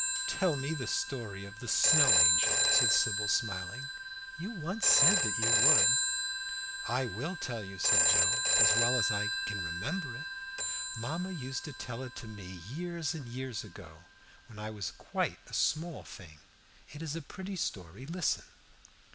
"Tell me the story of the Snow Angel," said Sybil, smiling. "You once said that you would." "I will tell you," said Joe, "as well I can remember it. Mamma used to tell it to me years and years ago, when I was quite a small thing. It is a pretty story. Listen."